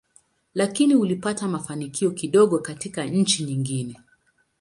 Lakini ulipata mafanikio kidogo katika nchi nyingine.